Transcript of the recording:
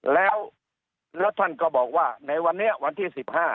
แล้วท่านก็บอกว่าในวันนี้วันที่๑๕